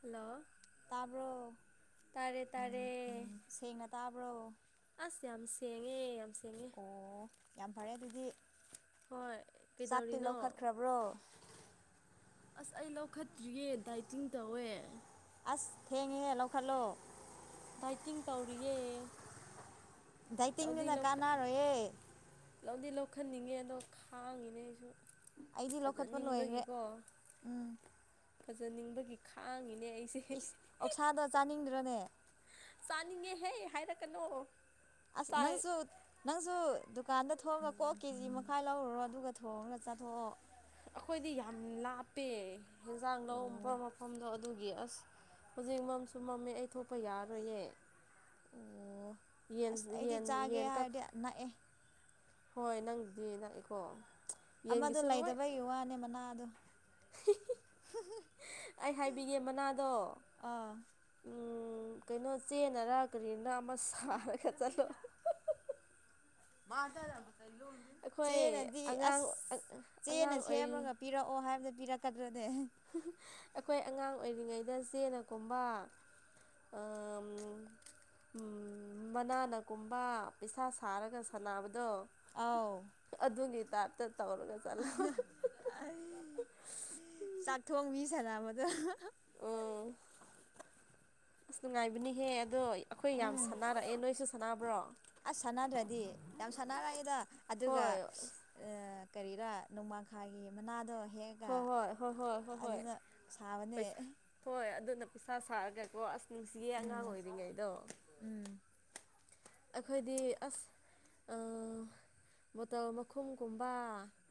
Hello ꯇꯥꯕ꯭ꯔꯣ ꯇꯥꯔꯦ ꯇꯥꯔꯦ ꯁꯦꯡꯅ ꯇꯥꯕ꯭ꯔꯣ ꯑꯁ ꯌꯥꯝ ꯁꯦꯡꯉꯦ ꯌꯥꯝ ꯁꯦꯡꯉꯦ ꯑꯣ ꯌꯥꯝ ꯐꯔꯦ ꯑꯗꯨꯗꯤ ꯍꯣꯏ ꯆꯥꯛꯇꯤ ꯀꯩꯗꯧꯔꯤꯅꯣ ꯂꯧꯈꯠꯈ꯭ꯔꯕ꯭ꯔꯣ ꯑꯁ ꯑꯩ ꯂꯧꯈꯠꯇ꯭ꯔꯤꯌꯦ ꯗꯥꯏꯇꯤꯡ ꯇꯧꯋꯦ ꯑꯁ ꯊꯦꯡꯉꯦꯍꯦ ꯂꯧꯈꯠꯂꯣ ꯗꯥꯏꯇꯤꯡ ꯇꯧꯔꯤꯌꯦ ꯂꯧꯗꯤ ꯗꯥꯏꯇꯤꯡꯗꯨꯅ ꯂꯧꯈꯠ ꯀꯥꯟꯅꯔꯣꯏꯌꯦ ꯂꯧꯗꯤ ꯂꯧꯈꯠꯅꯤꯡꯉꯦ ꯑꯗꯣ ꯈꯥꯡꯉꯤꯅꯦ ꯑꯩꯁꯨ ꯑꯩꯗꯤ ꯂꯧꯈꯠꯄ ꯂꯣꯏꯈ꯭ꯔꯦ ꯐꯖꯅꯤꯡꯕꯒꯤꯀꯣ ꯎꯝ ꯐꯖꯅꯤꯡꯕꯒꯤ ꯈꯥꯡꯉꯤꯅꯦ ꯑꯩꯁꯦ ꯑꯣꯛꯁꯥꯗꯣ ꯆꯥꯅꯤꯡꯗ꯭ꯔꯣꯅꯦ ꯆꯥꯅꯤꯡꯉꯦꯍꯦ ꯍꯥꯏꯔꯛꯀꯅꯣ ꯑꯁ ꯆꯥꯏ ꯅꯪꯁꯨ ꯅꯪꯁꯨ ꯗꯨꯀꯥꯟꯗ ꯊꯣꯛꯣꯡꯑꯒ ꯀꯣꯛ ꯀꯦꯖꯤ ꯃꯈꯥꯏ ꯂꯧꯔꯨꯔꯣ ꯑꯗꯨꯒ ꯊꯣꯡꯑꯒ ꯆꯥꯊꯣꯛꯑꯣ ꯑꯩꯈꯣꯏꯗꯤ ꯌꯥꯝ ꯂꯥꯞꯄꯦ ꯍꯟꯖꯥꯡ ꯂꯧ ꯃꯐꯝ ꯃꯐꯝꯗꯣ ꯑꯗꯨꯒꯤ ꯑꯁ ꯍꯧꯖꯤꯛ ꯃꯝꯁꯨ ꯃꯝꯃꯦ ꯑꯩ ꯊꯣꯛꯄ ꯌꯥꯔꯣꯏꯌꯦ ꯑꯣ ꯌꯦꯟ ꯌꯦꯟ ꯌꯦꯟ ꯀꯛ ꯅꯥꯛꯑꯦ ꯍꯣꯏ ꯅꯪꯒꯤꯗꯤ ꯅꯛꯑꯦꯀꯣ ꯌꯦꯟꯒꯤꯁꯨ ꯑꯃꯗ‌ꯣ ꯂꯣꯏ ꯂꯩꯗꯕꯒꯤ ꯋꯥꯅꯦ ꯃꯅꯥꯗꯣ ꯑꯩ ꯍꯥꯏꯕꯤꯒꯦ ꯃꯅꯥꯗꯣ ꯑꯥ ꯎꯝ ꯀꯩꯅꯣ ꯆꯦꯟꯅꯔ ꯀꯔꯤꯅꯔ ꯑꯃ ꯁꯥꯔꯒ ꯆꯠꯂꯣ [unintelligible] ꯑꯩꯈꯣꯏ ꯆꯦꯅꯗꯤ ꯑꯉꯥꯡ ꯑꯁ ꯆꯦꯅ ꯑꯉꯥꯡ ꯑꯣꯏꯔꯤ ꯁꯦꯝꯃꯒ ꯄꯤꯔꯛꯑꯣ ꯍꯥꯏꯕꯗ ꯄꯤꯔꯛꯀꯗ꯭ꯔꯅꯦ ꯑꯩꯈꯣꯏ ꯑꯉꯥꯡ ꯑꯣꯏꯔꯤꯉꯩꯗ ꯆꯦꯅꯒꯨꯝꯕ ꯑꯝ ꯃꯅꯥꯅ ꯀꯨꯝꯕ ꯄꯩꯁꯥ ꯁꯥꯔꯒ ꯁꯥꯟꯅꯕꯗꯣ ꯑꯥꯎ ꯑꯗꯨꯒꯤ ꯇꯥꯏꯞꯇ ꯇꯧꯔꯒ ꯑꯩ ꯆꯠꯂꯣ [unintelligible] ꯆꯥꯛꯊꯣꯡꯕꯤ ꯁꯥꯟꯅꯕꯗꯣ ꯑꯣ ꯑꯁ ꯅꯨꯡꯉꯥꯏꯕꯅꯤꯍꯦ ꯑꯗꯣ ꯑꯩꯈꯣꯏ ꯌꯥꯝ ꯎꯝ ꯁꯥꯟꯅꯔꯛꯑꯦ ꯅꯣꯏꯁꯨ ꯁꯥꯟꯅꯕ꯭ꯔꯣ ꯑꯁ ꯁꯥꯟꯅꯗ꯭ꯔꯗꯤ ꯌꯥꯝ ꯁꯥꯟꯅꯔꯛꯑꯗ ꯑꯗꯨꯒ ꯍꯣꯏ ꯀꯔꯤꯔꯥ ꯅꯣꯡꯃꯥꯡꯈꯥꯒꯤ ꯃꯅꯥꯗꯣ ꯍꯦꯛ ꯑ ꯍꯣꯏ ꯍꯣꯏ ꯍꯣꯏ ꯍꯣꯏ ꯍꯣꯏ ꯍꯣꯏ ꯑꯗꯨꯅ ꯁꯥꯕꯅꯦ ꯄꯩꯁꯥ ꯍꯣꯏ ꯑꯗꯨꯅ ꯄꯩꯁꯥ ꯁꯥꯔꯒꯀꯣ ꯑꯁ ꯅꯨꯡꯁꯤꯌꯦ ꯑꯉꯥꯡ ꯑꯣꯏꯔꯤꯉꯩꯗꯣ ꯎꯝ ꯑꯩꯈꯣꯏꯗꯤ ꯑꯁ ꯕꯣꯇꯜ ꯃꯈꯨꯝꯒꯨꯝꯕ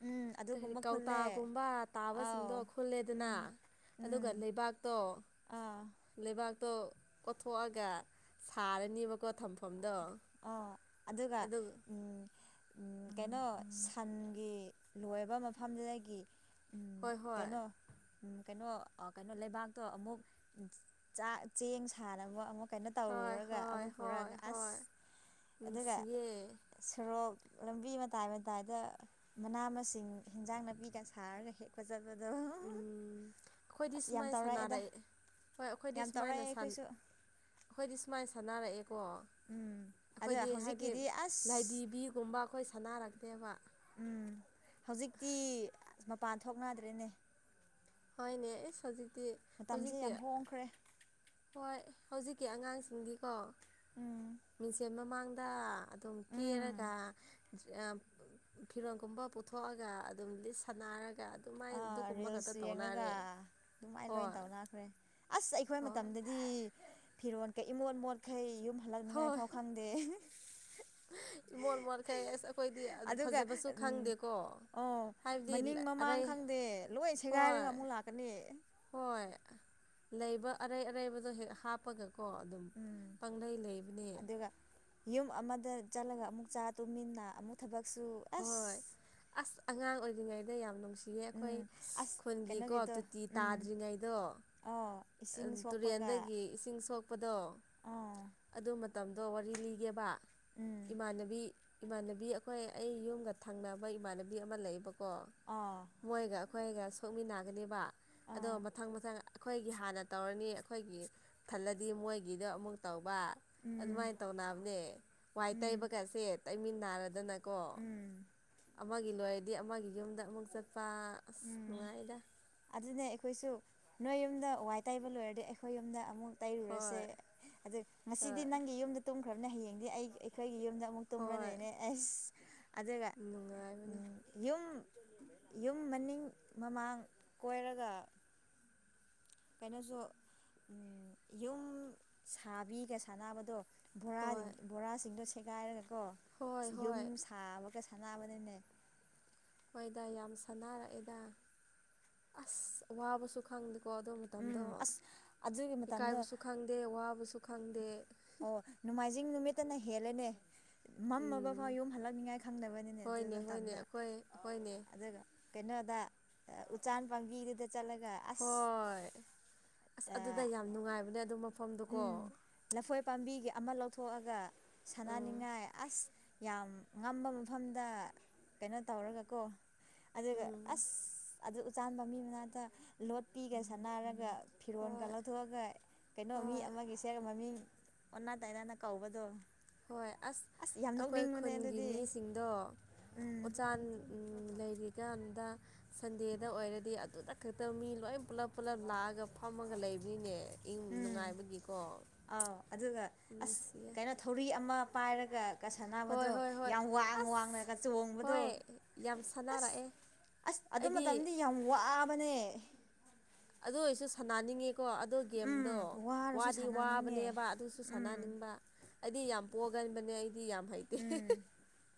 ꯎꯝ ꯀꯔꯤ ꯑꯗꯨꯒꯨꯝꯕ ꯈꯨꯜꯂꯦ ꯀꯧꯇꯥꯒꯨꯝꯕ ꯑꯥꯎ ꯇꯥꯕꯁꯤꯡꯗꯣ ꯈꯨꯜꯂꯦꯗꯅ ꯎꯝ ꯑꯗꯨꯒ ꯎꯝ ꯂꯩꯕꯥꯛꯇꯣ ꯑꯥ ꯂꯩꯕꯥꯛꯇꯣ ꯀꯠꯊꯣꯛꯑꯒ ꯁꯥꯔꯅꯦꯕꯀꯣ ꯊꯝꯐꯝꯗꯣ ꯑ ꯑꯗꯨꯒ ꯑꯗꯨ ꯀꯩꯅꯣ ꯁꯟꯒꯤ ꯂꯣꯏꯔꯕ ꯃꯐꯝꯗꯨꯗꯒꯤ ꯎꯝ ꯍꯣꯏ ꯍꯣꯏ ꯀꯩꯅꯣ ꯀꯩꯅꯣ ꯀꯩꯅꯣ ꯂꯩꯕꯥꯛꯇꯣ ꯑꯃꯨꯛ ꯆꯥꯛ ꯆꯦꯡ ꯁꯥꯟꯅꯕ ꯑꯃꯨꯛ ꯀꯩꯅꯣ ꯍꯣꯏ ꯇꯧꯔꯨꯔꯒ ꯍꯣꯏ ꯑꯃꯨꯛ ꯍꯣꯏ ꯄꯨꯔꯛꯑꯒ ꯑꯁ ꯍꯣꯏ ꯑꯗꯨꯒ ꯅꯨꯡꯁꯤꯌꯦ ꯁꯣꯔꯣꯛ ꯂꯝꯕꯤ ꯃꯇꯥꯏ ꯃꯇꯥꯏꯗ ꯃꯅꯥ ꯃꯁꯤꯡ ꯍꯟꯖꯥꯡ ꯅꯥꯄꯤꯒ ꯁꯥꯔꯒ ꯍꯦꯛꯄ ꯆꯠꯄꯗꯣ ꯑꯩꯈꯣꯏꯗꯤ ꯑꯁ ꯌꯥꯝ ꯁꯨꯃꯥꯏꯅ ꯇꯧꯔꯛꯑꯦꯗ ꯁꯥꯟꯅꯔꯛꯑꯦ ꯍꯣꯏ ꯑꯩꯈꯣꯏꯗꯤ ꯌꯥꯝ ꯇꯧꯔꯛꯑꯦ ꯁꯨꯃꯥꯏꯅ ꯑꯩꯈꯣꯏꯁꯨ ꯑꯩꯈꯣꯏꯗꯤ ꯁꯨꯃꯥꯏꯅ ꯁꯥꯟꯅꯥꯔꯛꯑꯦꯀꯣ ꯎꯝ ꯑꯗ ꯑꯩꯈꯣꯏꯗꯤ ꯍꯥꯏꯗꯤ ꯍꯧꯖꯤꯛꯀꯤꯗꯤ ꯑꯁ ꯂꯥꯏꯙꯤꯕꯤꯒꯨꯝꯕ ꯑꯩꯈꯣꯏ ꯁꯥꯟꯅꯔꯛꯇꯦꯕ ꯎꯝ ꯍꯧꯖꯤꯛꯇꯤ ꯃꯄꯥꯟ ꯊꯣꯛꯅꯗ꯭ꯔꯦꯅꯦ ꯍꯣꯏꯅꯦ ꯏꯁ ꯍꯧꯖꯤꯛꯇꯤ ꯃꯇꯝꯁꯦ ꯍꯧꯖꯤꯛꯀꯤ ꯌꯥꯝ ꯍꯣꯡꯈ꯭ꯔꯦ ꯍꯣꯏ ꯍꯧꯖꯤꯛꯀꯤ ꯑꯉꯥꯡꯁꯤꯡꯗꯤꯀꯣ ꯎꯝ ꯃꯤꯡꯁꯦꯟ ꯃꯃꯥꯡ ꯗ [unintelligible] ꯑꯗꯨꯝ ꯀꯦꯔꯒ ꯎꯝ ꯑꯝ ꯐꯤꯔꯣꯟꯜꯒꯨꯝꯕ ꯄꯨꯊꯣꯛꯑꯒ ꯑꯗꯨꯝ ꯂꯤꯠ ꯁꯥꯟꯅꯔꯒ ꯑꯗꯨꯃꯥꯏꯅ ꯑꯗꯨꯒꯨꯝꯕ ꯈꯛꯇ ꯌꯦꯡꯉꯒ ꯇꯧꯅꯔꯦ ꯑꯗꯨꯃꯥꯏꯅ ꯂꯣꯏꯅ ꯍꯣꯏ ꯇꯧꯅꯈ꯭ꯔꯦ ꯑꯁ ꯑꯩꯈꯣꯏ ꯍꯣꯏ ꯃꯇꯝꯗꯗꯤ ꯐꯤꯔꯣꯟꯜꯈꯩ ꯏꯃꯣꯠ ꯃꯣꯠꯈꯩ ꯌꯨꯝ ꯍꯜꯂꯛꯅꯤꯉꯥꯏ ꯍꯣꯏ ꯐꯥꯎ ꯈꯪꯗꯦ ꯏꯃꯣꯠ ꯃꯣꯠꯈꯩ ꯑꯁ ꯑꯩꯈꯣꯏꯗꯤ ꯑꯗꯨꯒ ꯐꯖꯕꯁꯨ ꯎꯝ ꯈꯪꯗꯦꯀꯣ ꯑꯣ ꯍꯥꯏꯕꯗꯤ ꯃꯅꯤꯡ ꯃꯃꯥꯡ ꯑꯔꯩ ꯈꯪꯗꯦ ꯂꯣꯏ ꯁꯦꯒꯥꯏꯔꯒ ꯍꯣꯏ ꯑꯃꯨꯛ ꯂꯥꯛꯀꯅꯤ ꯍꯣꯏ ꯂꯩꯕ ꯑꯔꯩ ꯑꯔꯩꯕꯗꯣ ꯍꯦꯛ ꯍꯥꯞꯄꯒꯀꯣ ꯑꯗꯨꯝ ꯎꯝ ꯄꯥꯡꯂꯩ ꯂꯩꯕꯅꯦ ꯑꯗꯨꯒ ꯌꯨꯝ ꯑꯃꯗ ꯆꯠꯂꯒ ꯑꯃꯨꯛ ꯆꯥ ꯇꯨꯃꯤꯟꯅ ꯑꯃꯨꯛ ꯊꯕꯛꯁꯨ ꯑꯁ ꯍꯣꯏ ꯑꯁ ꯑꯉꯥꯡ ꯑꯣꯏꯔꯤꯉꯩꯗ ꯌꯥꯝ ꯅꯨꯡꯁꯤ ꯁꯤ ꯑ ꯑꯩꯈꯣꯏ ꯎꯝ ꯑꯁ ꯈꯨꯟꯒꯤꯀꯣ ꯇꯣꯇꯤ ꯇꯥꯗ꯭ꯔꯤꯉꯩꯗꯣ ꯑꯣ ꯇꯨꯔꯦꯟꯗꯒꯤ ꯏꯁꯤꯡ ꯁꯣꯛꯄꯗꯣ ꯑꯥ ꯑꯗꯨ ꯃꯇꯝꯗꯣ ꯋꯥꯔꯤ ꯂꯤꯒꯦꯕ ꯎꯝ ꯏꯃꯥꯟꯅꯕꯤ ꯏꯃꯥꯟꯅꯕꯤ ꯑꯩꯈꯣꯏ ꯑꯩ ꯌꯨꯝꯒ ꯊꯪꯅꯕ ꯏꯃꯥꯟꯅꯕꯤ ꯑꯃ ꯂꯩꯌꯦꯕꯀꯣ ꯑꯥ ꯃꯣꯏꯒ ꯑꯩꯈꯣꯏꯒ ꯁꯣꯛꯃꯤꯟꯅꯒꯅꯦꯕ ꯑꯗꯣ ꯑꯥ ꯃꯊꯪ ꯃꯊꯪ ꯒꯤ ꯍꯥꯟꯅ ꯇꯧꯔꯅꯤ ꯑꯩꯈꯣꯏꯒꯤ ꯊꯜꯂꯗꯤ ꯃꯣꯏꯒꯤꯗꯣ ꯑꯃꯨꯛ ꯇꯧꯕ ꯎꯝ ꯑꯗꯨꯃꯥꯏꯅ ꯇꯧꯅꯕꯅꯦ ꯋꯥꯏ ꯎꯝ ꯇꯩꯕꯒꯁꯦ ꯇꯩꯃꯤꯟꯅꯅꯥꯔꯗꯅ ꯀꯣ ꯎꯝ ꯑꯃꯒꯤ ꯂꯣꯏꯔꯗꯤ ꯑꯃꯒꯤ ꯌꯨꯝꯗ ꯑꯃꯨꯛ ꯆꯠꯄ ꯑꯁ ꯎꯝ ꯅꯨꯡꯉꯥꯏꯗ ꯑꯗꯨꯅꯦ ꯑꯩꯈꯣꯏꯁꯨ ꯅꯣꯏ ꯌꯨꯝꯗ ꯋꯥꯏ ꯇꯩꯕ ꯂꯣꯏꯔꯗꯤ ꯑꯩꯈꯣꯏ ꯌꯨꯝꯗ ꯑꯃꯨꯛ ꯇꯩꯔꯨꯔꯁꯦ ꯍꯣꯏ ꯑꯗꯨ ꯉꯁꯤꯗꯤ ꯍꯣꯏ ꯅꯪꯒꯤ ꯌꯨꯝꯗ ꯇꯨꯝꯈ꯭ꯔꯅꯦ ꯍꯌꯦꯡꯗꯤ ꯑꯩ ꯑꯩꯒꯤ ꯌꯨꯝꯗ ꯑꯃꯨꯛ ꯇꯨꯝꯂ ꯍꯣꯏ ꯗꯨꯏꯅꯦ ꯑꯁ ꯑꯗꯨꯒ ꯅꯨꯡꯉꯥꯏꯕꯅꯤ ꯌꯨꯝ ꯌꯨꯝ ꯃꯅꯤꯡ ꯃꯃꯥꯡ ꯀꯣꯏꯔꯒ ꯀꯩꯅꯣꯁꯨ ꯌꯨꯝ ꯁꯥꯕꯤꯒ ꯁꯥꯟꯅꯕꯗꯣ ꯕꯣꯔꯥ ꯍꯣꯏ ꯕꯣꯔꯥꯁꯤꯡꯗꯣ ꯁꯦꯒꯥꯏꯔꯒꯀꯣ ꯍꯣꯏ ꯌꯨꯝ ꯍꯣꯏ ꯁꯥꯕꯒ ꯁꯥꯟꯅꯕꯅꯤꯅꯦ ꯍꯣꯏꯗ ꯌꯥꯝ ꯁꯥꯟꯅꯔꯛꯑꯦꯗ ꯑꯁ ꯋꯥꯕꯁꯨ ꯈꯪꯗꯦꯀꯣ ꯑꯗꯣ ꯃꯇꯝꯗꯣ ꯎꯝ ꯑꯁ ꯑꯗꯨꯒꯤ ꯃꯇꯝꯗꯣ ꯏꯀꯥꯏꯕꯁꯨ ꯈꯪꯗꯦ ꯋꯥꯕꯁꯨ ꯈꯪꯗꯦ ꯑꯣ ꯅꯣꯡꯃꯥꯏꯖꯤꯡ ꯅꯨꯃꯤꯠꯇꯅ ꯍꯦꯜꯂꯦꯅꯦ ꯃꯝꯃꯕ ꯐꯥꯎ ꯎꯝ ꯌꯨꯝ ꯍꯜꯂꯛꯅꯤꯉꯥꯏ ꯈꯪꯗꯕꯅꯤꯅꯦ ꯑꯗꯨ ꯍꯣꯏꯅꯦ ꯍꯣꯏꯅꯦ ꯃꯇꯝꯗ ꯑꯩꯈꯣꯏ ꯍꯣꯏꯅꯦ ꯑꯗꯨꯒ ꯀꯩꯅꯣꯗ ꯎꯆꯥꯟ ꯄꯥꯝꯕꯤꯗꯨꯗ ꯆꯠꯂꯒ ꯑꯁ ꯍꯣꯏ ꯑꯁ ꯑꯗꯨꯗ ꯌꯥꯝ ꯅꯨꯡꯉꯥꯏꯕꯅꯦ ꯑꯗꯨ ꯃꯐꯝꯗꯨꯀꯣ ꯎꯝ ꯂꯐꯣꯏ ꯄꯥꯝꯕꯤꯒꯤ ꯑꯃ ꯂꯧꯊꯣꯛꯑꯒ ꯎꯝ ꯁꯥꯟꯅꯅꯤꯡꯉꯥꯏ ꯑꯁ ꯌꯥꯝ ꯉꯝꯕ ꯃꯐꯝꯗ ꯀꯩꯅꯣ ꯇꯧꯔꯒꯀꯣ ꯑꯗꯨꯒ ꯎꯝ ꯑꯁ ꯑꯗꯨ ꯎꯆꯥꯟ ꯃꯃꯤ ꯃꯅꯥꯛꯇ ꯂꯣꯠꯄꯤꯒ ꯁꯥꯟꯅꯔꯒ ꯐꯤꯔꯣꯟꯒꯥ ꯍꯣꯏ ꯂꯧꯊꯣꯛꯑꯒ ꯀꯩꯅꯣ ꯃꯤ ꯍꯣꯏ ꯑꯃꯒꯤꯁꯦ ꯃꯃꯤꯡ ꯑꯣꯟꯅ ꯇꯥꯏꯅꯥꯅ ꯀꯧꯕꯗꯣ ꯍꯣꯏ ꯑꯁ ꯌꯥꯝ ꯑꯩꯈꯣꯏ ꯅꯣꯛꯅꯤꯡꯕꯅꯦ ꯈꯨꯟꯒꯤ ꯑꯗꯨꯗꯤ ꯃꯤꯁꯤꯡꯗꯣ ꯎꯝ ꯎꯆꯥꯟ ꯂꯩꯔꯤꯀꯥꯟꯗ ꯁꯟꯗꯦꯗ ꯑꯣꯏꯔꯗꯤ ꯑꯗꯨꯗ ꯈꯛꯇ ꯃꯤ ꯂꯣꯏ ꯄꯨꯂꯞ ꯄꯨꯂꯞ ꯂꯥꯛꯑꯒ ꯐꯝꯃꯒ ꯂꯩꯕꯅꯤꯅꯦ ꯏꯪ ꯎꯝ ꯅꯨꯡꯉꯥꯏꯕꯒꯤꯀꯣ ꯑꯥꯎ ꯑꯗꯨꯒ ꯑꯁ ꯅꯨꯡꯁꯤꯌꯦ ꯀꯩꯅꯣ ꯊꯧꯔꯤ ꯑꯃ ꯄꯥꯏꯔꯒ ꯀ ꯍꯣꯏ ꯁꯥꯟꯅꯕꯗꯣ ꯍꯣꯏ ꯍꯣꯏ ꯌꯥꯝ ꯋꯥꯡ ꯑꯁ ꯋꯥꯡꯅꯒ ꯆꯣꯡꯕꯗꯣ ꯍꯣꯏ ꯌꯥꯝ ꯑꯁ ꯁꯥꯟꯅꯔꯛꯑꯦ ꯑꯁ ꯑꯗꯨ ꯑꯩꯗꯤ ꯃꯇꯝꯗꯤ ꯌꯥꯝ ꯋꯥꯕꯅꯦ ꯑꯗꯨ ꯑꯣꯏꯔꯁꯨ ꯁꯥꯟꯅꯅꯤꯡꯉꯤꯀꯣ ꯑꯗꯨ ꯒꯦꯝꯗꯣ ꯎꯝ ꯋꯥꯔꯁꯨ ꯋꯥꯗꯤ ꯁꯥꯟꯅꯅꯤꯡꯉꯦ ꯋꯥꯕꯅꯦꯕ ꯑꯗꯨꯁꯨ ꯎꯝ ꯁꯥꯟꯅꯅꯤꯡꯕ ꯑꯩꯗꯤ ꯌꯥꯝ ꯄꯣꯒꯟꯕꯅꯦ ꯑꯩꯗꯤ ꯌꯥꯝ ꯍꯩꯇꯦ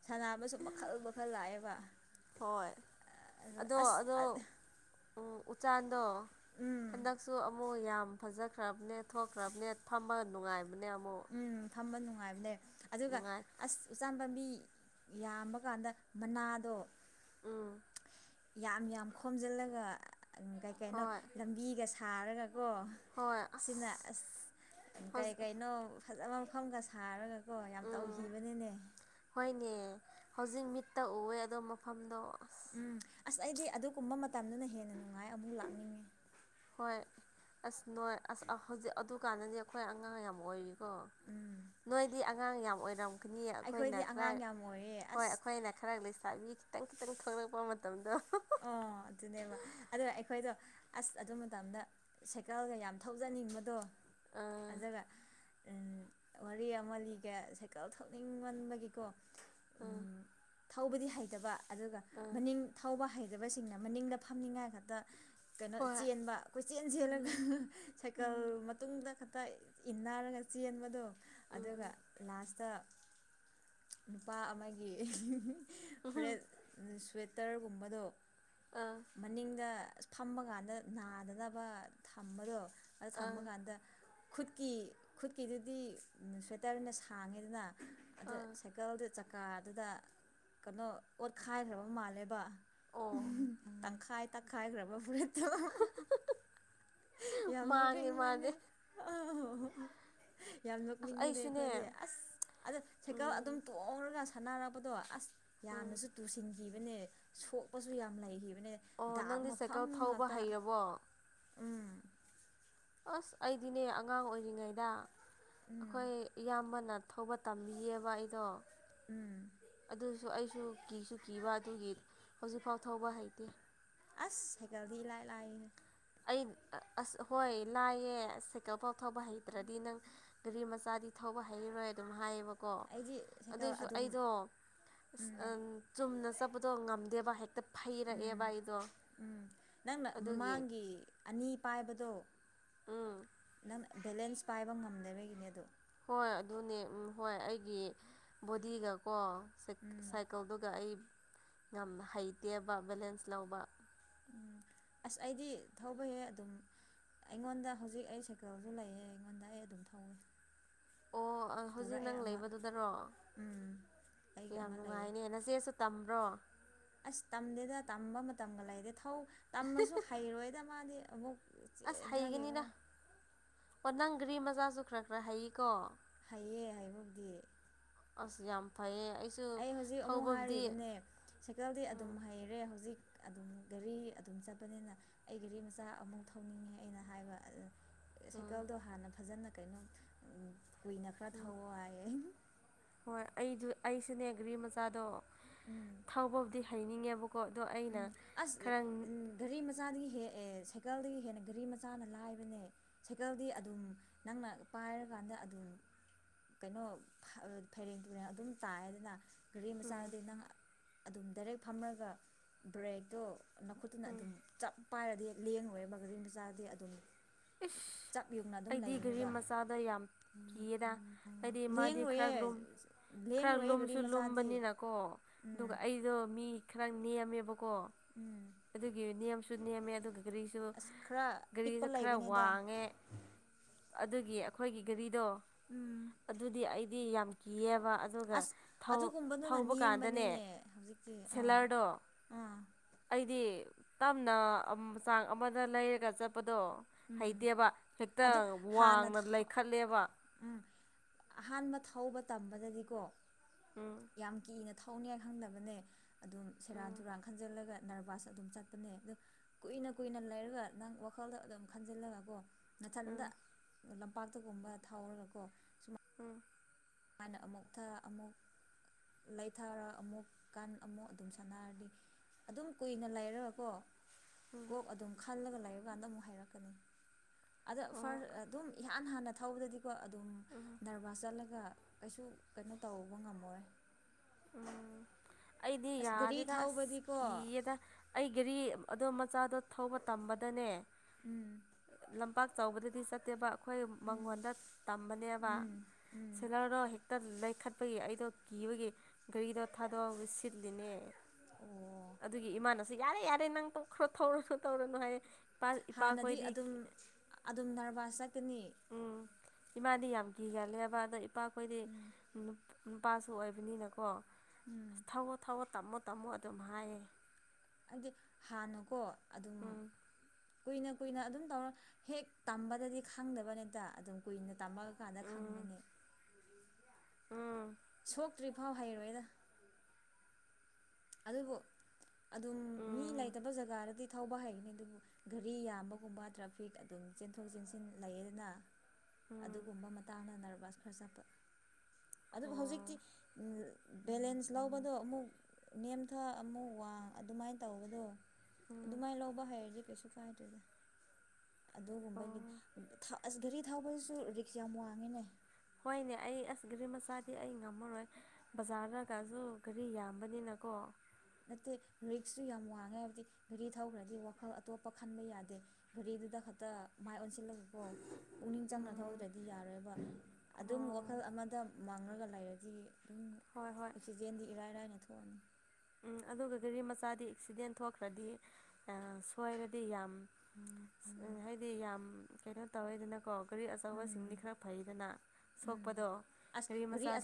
ꯁꯟꯅꯕꯁꯨ ꯃꯈꯜ-ꯃꯈꯜ ꯂꯥꯛꯑꯦꯕ ꯍꯣꯏ ꯑꯗꯨ ꯑꯗꯣ ꯑꯗꯣ ꯑꯁ ꯎꯆꯥꯟꯗꯣ ꯍꯟꯗꯛꯁꯨ ꯑꯃꯨꯛ ꯌꯥꯝ ꯐꯖꯈ꯭ꯔꯕꯅꯦ ꯊꯣꯛꯈ꯭ꯔꯕꯅꯦ ꯐꯝꯕ ꯅꯨꯡꯉꯥꯏꯕꯅꯦ ꯑꯃꯨꯛ ꯎꯝ ꯐꯝꯕ ꯅꯨꯡꯉꯥꯏꯕꯅꯦ ꯑꯗꯨꯒ ꯅꯨꯡꯉꯥꯏ ꯑꯁ ꯎꯆꯥꯟ ꯄꯝꯕꯤ ꯌꯥꯝꯕ ꯀꯥꯟꯗ ꯃꯅꯥꯗꯣ ꯎꯝ ꯌꯥꯝ ꯌꯥꯝ ꯈꯣꯝꯖꯤꯜꯂꯒ ꯀꯩ ꯀꯩꯅꯣ ꯍꯣꯏ ꯂꯝꯕꯤꯒ ꯁꯥꯔꯒꯀꯣ ꯍꯣꯏ ꯑꯁ ꯁꯤꯅ ꯑꯁ ꯀꯩ ꯍꯧꯖꯤꯛ ꯀꯩꯅꯣ ꯐꯖꯕ ꯃꯐꯝꯒ ꯁꯥꯔꯒꯀꯣ ꯌꯥꯝ ꯎꯝ ꯇꯧꯈꯤꯕꯅꯤꯅꯦ ꯍꯣꯏꯅꯦ ꯍꯧꯖꯤꯛ ꯃꯤꯠꯇ ꯎꯑꯦ ꯑꯗꯣ ꯃꯐꯝꯗꯣ ꯎꯝ ꯑꯁ ꯑꯩꯗꯤ ꯑꯗꯨꯒꯨꯝꯕ ꯃꯇꯝꯗꯨꯅ ꯍꯦꯟꯅ ꯅꯨꯡꯉꯥꯏ ꯑꯃꯨꯛ ꯂꯥꯛꯅꯤꯡꯉꯤ ꯍꯣꯏ ꯑꯁ ꯅꯣꯏ ꯑꯁ ꯍꯧꯖꯤꯛ ꯑꯗꯨꯀꯥꯟꯗꯗꯤ ꯑꯩꯈꯣꯏ ꯑꯉꯥꯡ ꯌꯥꯝ ꯑꯣꯏꯔꯤ ꯑꯣ ꯅꯣꯏꯗꯤ ꯑꯉꯥꯡ ꯌꯥꯝ ꯑꯣꯏꯔꯝꯒꯅꯤ ꯑꯩꯈꯣꯏꯅ ꯑꯩꯈꯣꯏꯗꯤ ꯈꯔ ꯑꯉꯥꯡ ꯌꯥꯝ ꯑꯣꯏꯔꯦ ꯍꯣꯏ ꯑꯁ ꯑꯩꯈꯣꯏꯅ ꯈꯔ ꯂꯩꯁꯥꯕꯤ ꯈꯤꯇꯪ ꯈꯤꯇꯪ ꯊꯣꯛꯂꯛꯄ ꯃꯇꯝꯗꯣ ꯑꯣ ꯑꯗꯨꯅꯦꯕ ꯑꯗ ꯑꯩꯈꯣꯏꯗꯣ ꯑꯁ ꯑꯗꯨ ꯃꯇꯝꯗ ꯁꯥꯏꯀꯜꯒ ꯌꯥꯝ ꯊꯧꯖꯅꯤꯡꯕꯗꯣ ꯑꯥ ꯑꯗꯨꯒ ꯋꯥꯔꯤ ꯑꯃ ꯂꯤꯒꯦ ꯁꯥꯏꯀꯜ ꯊꯧꯅꯤꯡꯃꯟꯕꯒꯤꯀꯣ ꯑꯣꯝ ꯊꯧꯕꯗꯤ ꯍꯩꯇꯕ ꯑꯗꯨꯒ ꯑꯥ ꯃꯅꯤꯡ ꯊꯧꯕ ꯍꯩ ꯐꯖꯕ ꯁꯤꯡꯅ ꯃꯅꯤꯡꯗ ꯐꯝꯅꯤꯡꯉꯥꯏ ꯈꯛꯇ ꯀꯩꯅꯣ ꯍꯣꯏ ꯆꯦꯟꯕ ꯑꯩꯈꯣꯏ ꯆꯦꯟ ꯆꯦꯜꯂꯒ ꯎꯝ ꯁꯥꯏꯀꯜ ꯎꯝ ꯇꯨꯡꯗ ꯈꯛꯇ ꯏꯟꯅꯔꯒ ꯆꯦꯟꯕꯗꯣ ꯑꯗꯨꯒ ꯂꯥꯁꯇ ꯅꯨꯄꯥ ꯑꯃꯒꯤ ꯎꯝ ꯎꯝ ꯐꯨꯔꯤꯠ ꯁ꯭ꯋꯦꯇꯔꯒꯨꯝꯕꯗꯣ ꯑꯥ ꯃꯅꯤꯡꯗ ꯑꯁ ꯐꯃ ꯀꯥꯟꯗ ꯅꯥꯗꯅꯕ ꯊꯝꯕꯗꯣ ꯑꯗ ꯊꯝꯕ ꯑꯥ ꯀꯥꯟꯗ ꯈꯨꯠꯀꯤ ꯈꯨꯠꯀꯤꯗꯨꯗꯤ ꯁ꯭ꯋꯦꯇꯔꯅ ꯁꯥꯡꯉꯦꯗꯅ ꯑꯗ ꯑꯥ ꯁꯥꯏꯀꯜꯗꯤ ꯆꯀꯥꯗꯨꯗ ꯀꯩꯅꯣ ꯑꯣꯠꯈꯥꯏꯈ꯭ꯔꯕ ꯃꯥꯜꯂꯦꯕ ꯑꯣ ꯇꯪꯈꯥꯏ ꯇꯪꯈꯥꯏꯈ꯭ꯔꯕ ꯐꯔꯠ ꯌꯥꯝ ꯃꯥꯡꯉꯦ ꯅꯣꯛꯅꯤꯡꯕꯅꯦ ꯃꯥꯗꯤ ꯌꯥꯝ ꯑꯁ ꯅꯣꯛꯅꯤꯡꯕꯗꯤ ꯑꯩꯁꯨꯅꯦ ꯑꯩꯈꯣꯏꯗꯤ ꯑꯁ ꯑꯗꯨ ꯁꯥꯏꯀꯜ ꯑꯗꯨꯝ ꯎꯝ ꯇꯣꯡꯔꯒ ꯁꯥꯟꯅꯔꯛꯄꯗꯣ ꯑꯁ ꯎꯝ ꯌꯥꯝꯅꯁꯨ ꯇꯨꯁꯤꯟꯈꯤꯕꯅꯦ ꯁꯣꯛ ꯁꯣꯛꯄꯁꯨ ꯌꯥꯝ ꯂꯩꯈꯤꯕꯅꯦ ꯑꯣ ꯗꯥꯛ ꯅꯪꯗꯤ ꯃꯐꯝ ꯁꯥꯏꯀꯜ ꯊꯧꯕ ꯉꯥꯛꯇ ꯍꯩꯔꯕꯣ ꯎꯝ ꯑꯁ ꯑꯩꯗꯤꯅꯦ ꯑꯉꯥꯡ ꯑꯣꯏꯔꯤꯉꯩꯗ ꯑꯩꯈꯣꯏ ꯏꯌꯥꯝꯕꯅ ꯊꯧꯕ ꯇꯝꯕꯤꯌꯦꯕ ꯑꯩꯗꯣ ꯎꯝ ꯑꯗꯨꯁꯨ ꯑꯩꯁꯨ ꯀꯤꯁꯨ ꯀꯤꯕ ꯑꯗꯨꯒꯤ ꯍꯧꯖꯤꯛꯐꯥꯎ ꯊꯧꯕ ꯍꯩꯇꯦ ꯑꯁ ꯁꯥꯏꯀꯜꯗꯤ ꯏ ꯂꯥꯏ ꯂꯥꯛꯕꯅꯦ ꯑꯩ ꯑꯁ ꯍꯣꯏ ꯂꯥꯏꯌꯦ ꯁꯥꯏꯀꯜꯐꯥꯎ ꯊꯧꯕ ꯍꯩꯇ꯭ꯔꯗꯤ ꯅꯪ ꯒꯥꯔꯤ ꯃꯆꯥꯗꯤ ꯊꯧꯕ ꯍꯩꯔꯣꯏ ꯑꯗꯨꯝ ꯍꯥꯏꯌꯦꯕꯀꯣ ꯑꯩꯗꯤ ꯁꯥꯏꯀꯜ ꯑꯗꯨꯏꯁꯨ ꯑꯗꯨꯝ ꯑꯩꯗꯣ ꯑꯁ ꯆꯨꯝꯅ ꯆꯠꯄꯗꯣ ꯉꯝꯗꯦꯕ ꯍꯦꯛꯇ ꯐꯩꯔꯛꯑꯦꯕ ꯑꯩꯗꯣ ꯎꯝ ꯅꯪꯅ ꯑꯗꯨꯒꯤ ꯃꯃꯥꯡꯒꯤ ꯑꯅꯤ ꯄꯥꯏꯕꯗꯣ ꯎꯝ ꯅꯪ ꯕꯦꯂꯦꯟꯁ ꯄꯥꯏꯕ ꯉꯝꯗꯕꯒꯤꯅꯦ ꯑꯗꯣ ꯍꯣꯏ ꯑꯗꯨꯅꯦ ꯍꯣꯏ ꯑꯩꯒꯤ ꯕꯣꯗꯤꯒꯀꯣ ꯁꯥꯏꯀꯜꯗꯨꯒ ꯑꯩ ꯌꯥꯝꯅ ꯍꯩꯇꯦꯕ ꯕꯦꯂꯦꯟꯁ ꯂꯧꯕ ꯎꯝ ꯑꯁ ꯑꯩꯗꯤ ꯊꯧꯕꯍꯦ ꯑꯗꯨꯝ ꯑꯩꯉꯣꯟꯗ ꯍꯧꯖꯤꯛ ꯑꯩ ꯁꯥꯏꯀꯜꯁꯨ ꯂꯩꯌꯦ ꯑꯩꯉꯣꯟꯗ ꯑꯩ ꯑꯗꯨꯝ ꯊꯧꯏ ꯑꯣ ꯑ ꯍꯧꯖꯤꯛ ꯅꯪ ꯂꯩꯕꯗꯨꯗꯔꯣ ꯎꯝ ꯑꯩꯒꯤ ꯌꯥꯝ ꯑꯃ ꯂꯩꯌꯦ ꯅꯨꯡꯉꯥꯏꯅꯦ ꯅꯆꯦꯁꯨ ꯇꯝꯕ꯭ꯔꯣ ꯑꯁ ꯇꯝꯗꯦꯗ ꯇꯝꯕ ꯃꯇꯝꯒ ꯂꯩꯗꯦ ꯊꯧ ꯇꯝꯃꯁꯨ ꯍꯩꯔꯣꯏꯗ ꯃꯥꯗꯤ ꯑꯃꯨꯛ ꯑꯁ ꯍꯩꯒꯅꯤꯗ ꯆꯦꯟꯊꯈꯤꯕ ꯑꯣ ꯅꯪ ꯒ꯭ꯔꯤ ꯃꯆꯥꯁꯨ ꯈꯔ-ꯈꯔ ꯍꯩꯌꯦꯀꯣ ꯍꯩꯌꯦ ꯍꯥꯏꯕꯕꯨꯗꯤ ꯑꯁ ꯌꯥꯝ ꯐꯩꯌꯦ ꯑꯩ ꯑꯩ ꯍꯧꯖꯤꯛ ꯑꯃꯨꯛ ꯍꯥꯏꯔꯤꯕꯅꯦ ꯁꯥꯏꯀꯜꯗꯤ ꯑꯗꯨꯝ ꯎꯝ ꯍꯩꯔꯦ ꯍꯧꯖꯤꯛ ꯑꯗꯨꯝ ꯒꯥꯔꯤ ꯑꯗꯨꯝ ꯆꯠꯄꯅꯤꯅ ꯑꯩ ꯒꯥꯔꯤ ꯃꯆꯥ ꯑꯃꯨꯛ ꯊꯧꯅꯤꯡꯉꯦ ꯑꯩꯅ ꯍꯥꯏꯕ ꯎꯝ ꯁꯥꯏꯀꯜꯗꯣ ꯍꯥꯟꯅ ꯐꯖꯅ ꯀꯩꯅꯣ ꯀꯨꯏꯅ ꯈꯔ ꯎꯝ ꯊꯋ ꯍꯥꯏꯌꯦ꯫ ꯍꯣꯏ ꯑꯩꯗꯣ ꯑꯩꯁꯨꯅꯦ ꯒ꯭ꯔꯤ ꯃꯆꯥꯗꯣ ꯎꯝ ꯊꯧꯕꯕꯨꯗꯤ ꯍꯩꯅꯤꯡꯉꯦꯕꯀꯣ ꯑꯗꯣ ꯑꯩ ꯎꯝ ꯑꯁ ꯎꯝ ꯒꯥꯔꯤ ꯃꯆꯥꯗꯒꯤ ꯍꯦꯛꯑ ꯁꯥꯏꯀꯜꯗꯒꯤ ꯍꯦꯟꯅ ꯒꯥꯔꯤ ꯃꯆꯥꯅ ꯂꯥꯏꯕꯅꯦ꯫ ꯁꯥꯏꯀꯜꯗꯤ ꯑꯗꯨꯝ ꯅꯪꯅ ꯄꯥꯏꯔꯀꯥꯟꯗ ꯑꯗꯨꯝ ꯀꯩꯅꯣ ꯐꯩꯔꯦꯡ ꯇꯨꯔꯦꯡ ꯑꯗꯨꯝ ꯇꯥꯏꯑꯦꯗꯅ ꯒꯥꯔꯤ ꯎꯝ ꯃꯆꯥꯗꯤ ꯅꯪ ꯑꯗꯨꯝ ꯗꯥꯏꯔꯦꯛ ꯐꯝꯃꯒ ꯕ꯭ꯔꯦꯛꯇꯣ ꯅꯥꯈꯨꯠꯇꯨꯅ ꯎꯝ ꯑꯗꯨꯝ ꯆꯞ ꯄꯥꯏꯔꯗꯤ ꯂꯦꯡꯂꯣꯏꯕ ꯒꯔꯤ ꯃꯆꯥꯗꯤ ꯑꯗꯨꯝ ꯏꯁ ꯆꯞ ꯌꯨꯡꯅ ꯑꯗꯨꯝ ꯑꯩꯗꯤ ꯒꯥꯔꯤ ꯂꯩꯒꯅꯤꯕ ꯃꯆꯥꯗ ꯌꯥꯝ ꯀꯤꯑꯦꯗ ꯍꯥꯏꯗꯤ ꯃꯥꯗꯤ ꯂꯦꯡꯔꯣꯏꯌꯦ ꯈꯔ ꯂꯨꯝ ꯈꯔ ꯂꯦꯡꯔꯣꯏꯌꯦ ꯒꯥꯔꯤ ꯂꯨꯝꯁꯨ ꯃꯆꯥꯗꯤ ꯂꯨꯝꯕꯅꯤꯅꯀꯣ ꯎꯝ ꯑꯗꯨꯒ ꯑꯩꯗꯣ ꯃꯤ ꯈꯔ ꯅꯦꯝꯃꯦꯕꯀꯣ ꯎꯝ ꯑꯗꯨꯒꯤ ꯅꯦꯝꯁꯨ ꯅꯦꯝꯃꯦ ꯑꯗꯨꯒ ꯒꯥꯔꯤꯁꯨ ꯑꯁ ꯈꯔ ꯄꯤꯛꯄ ꯒꯥꯔꯤꯁꯨ ꯈꯔ ꯂꯩꯕꯅꯦꯗ ꯋꯥꯡꯉꯦ꯫ ꯑꯩ ꯒꯥꯔꯤꯗꯣ ꯎꯝ ꯑꯗꯨꯗꯤ ꯑꯩ ꯗꯤ ꯌꯥꯝ ꯀꯤꯑꯕ ꯑꯁ ꯑꯗꯨꯒꯨꯝꯕꯗꯨꯅ ꯅꯦꯝꯕꯅꯤꯅꯦ ꯍꯧꯖꯤꯛꯇꯤ ꯑꯥ ꯁꯦꯂꯔꯗꯣ ꯑꯥ ꯑꯩꯗꯤ ꯇꯝꯅ ꯆꯥꯡ ꯑꯃꯗ ꯂꯩꯔꯒ ꯆꯠꯄꯗꯣ ꯎꯝ ꯍꯩꯇꯦꯕ ꯑꯗꯨ ꯍꯦꯛꯇꯪ ꯍꯥꯟꯅ ꯋꯥꯡꯅ ꯂꯩꯈꯠꯂꯦꯕ ꯎꯝ ꯑꯍꯥꯟꯕ ꯊꯧꯕ ꯇꯝꯕꯗꯗꯤꯀꯣ ꯎꯝ ꯌꯥꯝ ꯀꯤꯅ ꯊꯧꯅꯤꯅ ꯈꯪꯗꯕꯅꯦ ꯑꯗꯨꯝ ꯁꯦꯔꯥꯟ ꯎꯝ ꯇꯨꯔꯥꯟ ꯈꯟꯖꯜꯂꯒ ꯅꯔꯚꯁ ꯑꯗꯨꯝ ꯆꯠꯄꯅꯦ ꯑꯗꯨ ꯀꯨꯏꯅ-ꯀꯨꯏꯅ ꯂꯩꯔꯒ ꯅꯪ ꯋꯥꯈꯜꯗ ꯑꯗꯨꯝ ꯈꯟꯖꯤꯜꯂꯒ ꯀꯣ ꯅꯥꯊꯟꯗ ꯎꯝ ꯂꯝꯄꯥꯛꯇꯒꯨꯝꯕ ꯊꯥꯎꯔꯒꯀꯣ ꯎꯝ ꯍꯅ ꯑꯃꯨꯛ ꯊ ꯑꯃꯨꯛ ꯂꯩꯊꯥꯔ ꯑꯃꯨꯛ ꯀꯥꯟ ꯑꯃꯨꯛ ꯑꯗꯨꯝ ꯁꯥꯟꯅꯔꯗꯤ ꯑꯗꯨꯝ ꯀꯨꯏꯅ ꯂꯩꯔꯒ ꯀꯣ ꯎꯝ ꯀꯣꯛ ꯑꯗꯨꯝ ꯈꯜꯂꯒ ꯂꯩꯕ ꯀꯥꯟꯗ ꯑꯃꯨꯛ ꯍꯥꯏꯔꯛꯀꯅꯤ ꯑꯗ ꯑꯣ ꯐꯔ ꯑꯗꯨꯝ ꯏꯍꯥꯟ ꯍꯥꯟꯅ ꯊꯧꯕꯗꯗꯤꯀꯣ ꯑꯗꯨꯝ ꯅꯔꯚꯁ ꯆꯠꯂꯒ ꯀꯩꯁꯨ ꯀꯩꯅꯣ ꯇꯧꯕ ꯉꯝꯃꯣꯏ ꯎꯝ ꯑꯩꯗꯤ ꯑꯁ ꯒꯥꯔꯤ ꯌꯥꯗꯗ ꯑꯁ ꯊꯧꯕꯗꯤꯀꯣ ꯀꯌꯦꯗ ꯑꯩ ꯘꯔꯤ ꯑꯗꯣ ꯃꯆꯥꯗꯣ ꯊꯧꯕ ꯇꯝꯕꯗꯅꯦ꯫ ꯎꯝ ꯂꯝꯄꯥꯛ ꯆꯥꯎꯕꯗꯗꯤ ꯆꯠꯇꯦꯕ ꯑꯩꯈꯣꯏ ꯃꯉꯣꯟꯗ ꯇꯝꯕꯅꯦꯕ ꯎꯝ ꯎꯝ ꯁꯤꯂꯔꯗꯣ ꯍꯦꯛꯇ ꯈꯠꯄꯒꯤ ꯑꯩꯗꯣ ꯀꯤꯕꯒꯤ ꯒꯥꯔꯤꯗꯣ ꯊꯥꯗꯣꯛꯑꯒ ꯁꯤꯠꯂꯤꯅꯦ꯫ ꯑꯣ ꯑꯗꯨꯒꯤ ꯏꯃꯥꯅꯁꯨ ꯌꯥꯔꯦ ꯌꯥꯔꯦ ꯅꯪ ꯊꯣꯛꯈ꯭ꯔꯣ ꯊꯧꯔꯁꯨꯨ ꯇꯧꯔꯅꯨ ꯍꯥꯏꯔꯦꯄꯥ ꯍꯥꯟꯅꯗꯤ ꯏꯄꯥꯈꯣꯏꯗꯤ ꯑꯗꯨꯝ ꯑꯗꯨꯝ ꯅꯔꯚꯁ ꯆꯠꯀꯅꯤ ꯎꯝ ꯏꯃꯥꯗꯤ ꯌꯥꯝ ꯀꯤꯒꯜꯂꯦꯕ ꯑꯗꯣ ꯏꯄꯥꯈꯣꯏꯗꯤ ꯅꯨꯄꯥꯁꯨ ꯑꯣꯏꯕꯅꯤꯅꯀꯣ ꯎꯝ ꯑꯁ ꯊꯧꯋꯣ ꯊꯧꯋꯣ ꯇꯝꯃꯣ ꯇꯝꯃꯣ ꯑꯗꯨꯝ ꯍꯥꯏꯌꯦ ꯍꯥꯏꯗꯤ ꯍꯥꯟꯅꯀꯣ ꯑꯗꯨ ꯎꯝ ꯀꯨꯏꯅ ꯀꯨꯏꯅ ꯑꯗꯨꯝ ꯇꯧꯔ ꯍꯦꯛ ꯇꯝꯕꯗꯗꯤ ꯈꯪꯗꯕꯅꯤꯗ ꯑꯗꯨꯝ ꯀꯨꯏꯅ ꯇꯝꯃꯛꯑ ꯀꯥꯟꯗ ꯎꯝ ꯈꯪꯕꯅꯦ ꯎꯝ ꯁꯣꯛꯇ꯭ꯔꯤꯐꯥꯎ ꯍꯩꯔꯣꯏꯗ ꯑꯗꯨꯕꯨ ꯑꯗꯨꯝ ꯃꯤ ꯎꯝ ꯂꯩꯇꯕ ꯖꯒꯥꯗꯗꯤ ꯊꯧꯕ ꯍꯩꯒꯅꯤ ꯑꯗꯨꯕꯨ ꯒꯔꯤ ꯌꯥꯝꯕꯒꯨꯝꯕ ꯇ꯭ꯔꯥꯐꯤꯛ ꯑꯗꯨꯝ ꯆꯦꯟꯊꯣꯛ ꯆꯦꯟꯁꯤꯟ ꯂꯩꯌꯦꯗꯅ ꯎꯝ ꯑꯗꯨꯒꯨꯝꯕ ꯃꯇꯥꯡꯗ ꯅꯔꯚꯁ ꯈꯔ ꯆꯠꯄ ꯑꯗꯨꯕꯨ ꯑꯣ ꯍꯧꯖꯤꯛꯇꯤ ꯕꯦꯂꯦꯟꯁ ꯂꯧꯕꯗꯣ ꯑꯃꯨꯛ ꯅꯦꯝꯊ ꯑꯃꯨꯛ ꯋꯥꯡ ꯑꯗꯨꯃꯥꯏꯅ ꯇꯧꯕꯗꯣ ꯎꯝ ꯑꯗꯨꯃꯥꯏ ꯂꯧꯕ ꯍꯩꯔꯗꯤ ꯀꯩꯁꯨ ꯀꯥꯏꯗꯦꯗ ꯑꯣ ꯑꯗꯨꯒꯨꯝꯕꯒꯤ ꯑꯁ ꯒꯥꯔꯤ ꯊꯥꯎꯧꯕꯗꯨꯁꯨ ꯔꯤꯛꯁ ꯌꯥꯝ ꯋꯥꯡꯉꯤꯅꯦ ꯍꯣꯏꯅꯦ ꯑꯩ ꯑꯁ ꯒꯔꯤ ꯃꯆꯥꯗꯤ ꯑꯩ ꯉꯝꯃꯔꯣꯏ ꯕꯖꯥꯔꯗꯒꯥꯁꯨ ꯒꯥꯔꯤ ꯌꯥꯝꯕꯅꯤꯅ ꯀꯣ ꯅꯠꯇꯦ ꯔꯤꯛꯁꯁꯨ ꯌꯥꯝ ꯋꯥꯡꯉꯦ ꯍꯥꯏꯕꯗꯤ ꯒꯥꯔꯤ ꯊꯧꯈ꯭ꯔꯗꯤ ꯋꯥꯈꯜ ꯑꯇꯣꯞꯄ ꯈꯟꯕ ꯌꯥꯗꯦ ꯒꯥꯔꯤꯗꯨꯗ ꯈꯛꯇ ꯃꯥꯏ ꯑꯣꯟꯁꯤꯜꯂꯒꯀꯣ ꯄꯨꯛꯅꯤꯡ ꯆꯪꯅ ꯎꯝ ꯊꯧꯗ꯭ꯔꯗꯤ ꯌꯥꯔꯣꯏꯕ ꯑꯗꯨꯝ ꯑꯣ ꯋꯥꯈꯜ ꯑꯃꯗ ꯃꯥꯡꯂꯒ ꯂꯩꯔꯗꯤ ꯑꯗꯨꯝ ꯍꯣꯏ ꯍꯣꯏ ꯖꯦꯟꯗꯤ [unintelligible] ꯏꯔꯥꯏ ꯔꯥꯏꯅ ꯊꯣꯛꯑꯅꯤ ꯎꯝ ꯑꯗꯨꯒ ꯒꯥꯔꯤ ꯃꯆꯥꯗꯤ ꯑꯦꯛꯁꯤꯗꯦꯟ ꯊꯣꯛꯈ꯭ꯔꯗꯤ ꯁꯣꯏꯔꯗꯤ ꯌꯥꯝ ꯎꯝ ꯍꯥꯏꯗꯤ ꯌꯥꯝ ꯀꯩꯅꯣ ꯇꯧꯋꯦꯗꯅꯀꯣ ꯒꯥꯔꯤ ꯑꯆꯧꯕꯁꯤꯡꯗꯤ ꯈꯔ ꯐꯩꯗꯅ ꯎꯝ ꯁꯣꯛꯄꯗꯣ ꯑꯁ ꯒꯥꯔꯤ ꯃꯆꯥꯗꯤ ꯑꯆꯧ